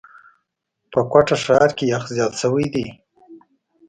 په کوټه ښار کي یخ زیات شوی دی.